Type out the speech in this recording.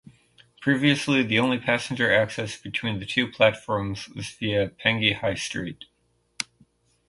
Previously the only passenger access between the two platforms was via Penge High Street.